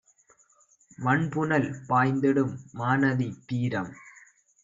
வண்புனல் பாய்ந்திடும் மாநதி தீரம்